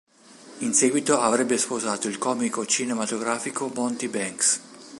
In seguito avrebbe sposato il comico cinematografico Monty Banks.